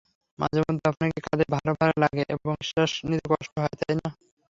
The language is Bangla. মাঝেমধ্যে আপনার কাঁধে ভার ভার লাগে এবং নিঃশ্বাস নিতে কষ্ট হয়, তাই না?